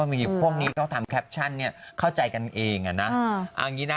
เพราะพวกนี้เขาทำแคปชั่นเข้าใจกันเองนะ